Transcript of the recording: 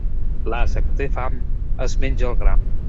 L'ase que té fam es menja el gram.